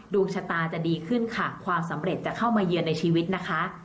ดวงชะตาจะดีขึ้นค่ะความสำเร็จจะเข้ามาเยือนในชีวิตนะคะ